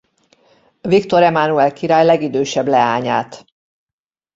Viktor Emánuel király legidősebb leányát.